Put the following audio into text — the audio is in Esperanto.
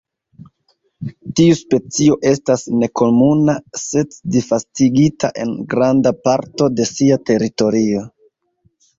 Tiu specio estas nekomuna sed disvastigita en granda parto de sia teritorio.